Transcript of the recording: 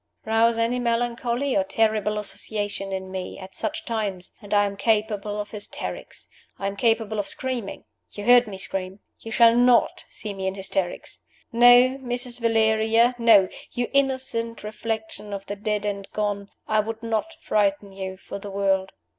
Rouse any melancholy or terrible associations in me at such times, and I am capable of hysterics, I am capable of screaming. You heard me scream. You shall not see me in hysterics. No, Mrs. Valeria no, you innocent reflection of the dead and gone I would not frighten you for the world.